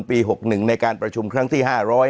ปี๖๑ในการประชุมครั้งที่๕๐๐